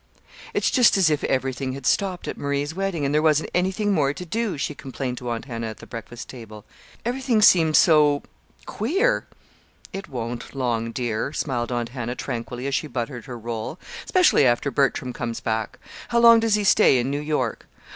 "It's just as if everything had stopped at Marie's wedding, and there wasn't anything more to do," she complained to Aunt Hannah at the breakfast table. "Everything seems so queer!" "It won't long, dear," smiled Aunt Hannah, tranquilly, as she buttered her roll, "specially after Bertram comes back. How long does he stay in New York?"